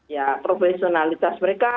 ya profesionalitas mereka